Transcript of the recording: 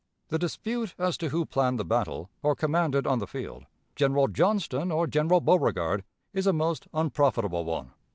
"The dispute as to who planned the battle, or commanded on the field, General Johnston or General Beauregard, is a most unprofitable one.